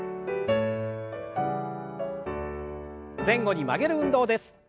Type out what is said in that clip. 前後に曲げる運動です。